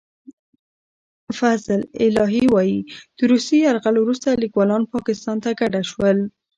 فضل الهي وايي، د روسي یرغل وروسته لیکوالان پاکستان ته کډه شول.